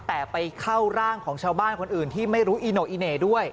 แต่ไปเข้าร่างของชาวบ้านคนอื่นที่ไม่รู้อีโน่อีเหน่ด้วย